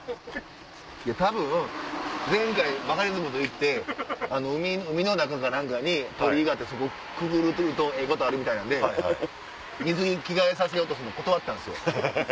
多分前回バカリズムと行って海の中か何かに鳥居があってそこくぐるとええことあるみたいなんで水着に着替えさせようとするの断ったんですよ。